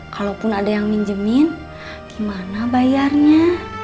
kalaupun ada yang minjemin gimana bayarnya